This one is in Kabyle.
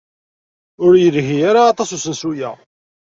Ur yelhi ara aṭas usensu-a.